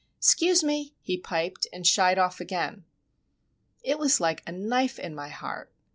"'S'cuse me!" he piped, and shied off again. It was like a knife in my heart!